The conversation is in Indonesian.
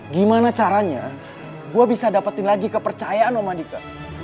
gimana caranya gua bisa dapetin lagi kepercayaan om andika